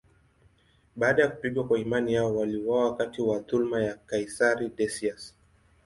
Baada ya kupigwa kwa imani yao, waliuawa wakati wa dhuluma ya kaisari Decius.